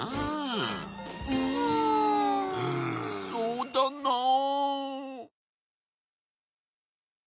そうだな。